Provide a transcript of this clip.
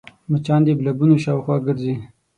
مچان د بلبونو شاوخوا ګرځي